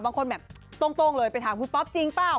บางคนแบบโต้งเลยไปถามคุณป๊อปจริงเปล่า